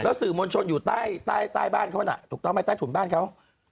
สื่อมวลชนอยู่ใต้บ้านเขาน่ะถูกต้องไหมใต้ถุนบ้านเขา